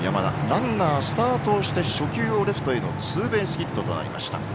ランナースタートをして初球をレフトへのツーベースヒットとなりました。